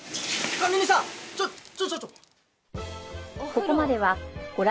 ちょちょちょちょ！